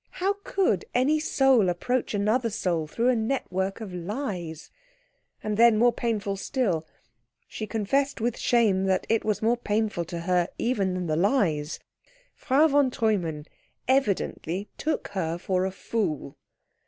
How could any soul approach another soul through a network of lies? And then more painful still she confessed with shame that it was more painful to her even than the lies Frau von Treumann evidently took her for a fool.